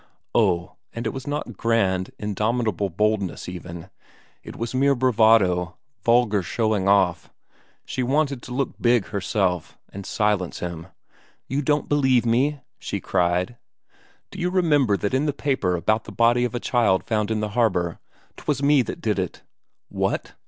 Oh, and it was not grand, indomitable boldness even; it was mere bravado, vulgar showing off; she wanted to look big herself, and silence him. "You don't believe me?" she cried. "D'you remember that in the paper about the body of a child found in the harbour? 'Twas me that did it." "What?"